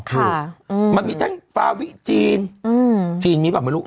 ค่ะมันมีทั้งฟาวิจีนจีนมีแบบไม่รู้